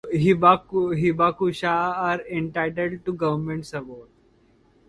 "Hibakusha" are entitled to government support.